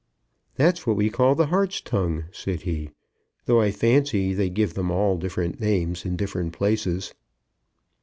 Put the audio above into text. "That's what we call the hart's tongue," said he, "though I fancy they give them all different names in different places."